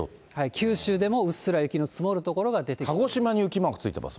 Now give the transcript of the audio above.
九州でもうっすら雪の積もる所が出てきそうです。